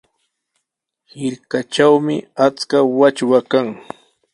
Hirkatrawmi achka wachwa kan.